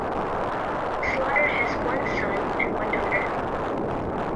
Slaughter has one son and one daughter.